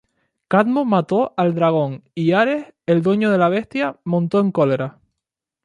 Cadmo mató al dragón y Ares, el dueño de la bestia, montó en cólera.